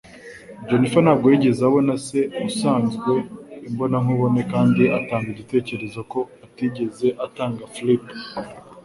Jennifer ntabwo yigeze abona se usanzwe imbonankubone kandi atanga igitekerezo ko atigeze atanga flip.